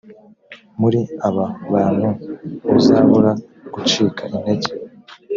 muri aba bantu ntuzabura gucika intege